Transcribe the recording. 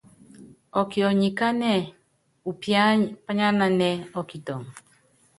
Ɔkiɔ nyi kánɛ upiányi pányánanɛ́ ɔ́kitɔŋɔ.